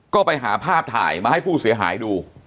ก็ไปหาภาพถ่ายมาให้ผู้เสียหายดู